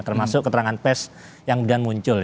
termasuk keterangan pes yang mudah muncul ya